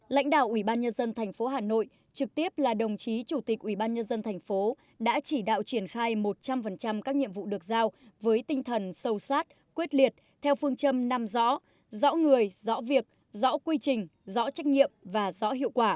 lãnh đạo ủy ban nhân dân thành phố hà nội trực tiếp là đồng chí chủ tịch ủy ban nhân dân thành phố đã chỉ đạo triển khai một trăm linh các nhiệm vụ được giao với tinh thần sâu sát quyết liệt theo phương châm năm rõ rõ người rõ việc rõ quy trình rõ trách nhiệm và rõ hiệu quả